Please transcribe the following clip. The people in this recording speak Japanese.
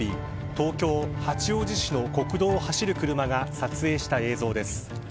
東京・八王子市の国道を走る車が撮影した映像です。